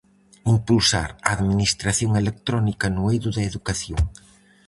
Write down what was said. Impulsar a Administración Electrónica no eido da educación.